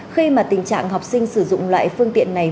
khi mà tình trạng học sinh sử dụng loại phương tiện này